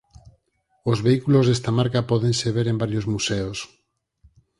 Os vehículos desta marca pódense ver en varios museos.